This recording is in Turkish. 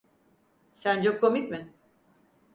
Sence komik mi?